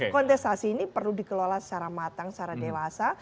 kontestasi ini perlu dikelola secara matang secara dewasa